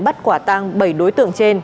bắt quả tăng bảy đối tượng trên